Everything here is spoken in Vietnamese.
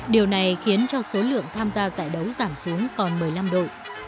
điều này khiến cho số lượng tham gia giải đấu giảm xuống còn một mươi năm độ